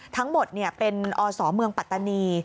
ทั้งหมดเป็นอสเมืองปัตตานี